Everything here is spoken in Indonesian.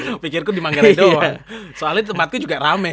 oh iya pikir ku di manggarai doang soalnya tempatku juga rame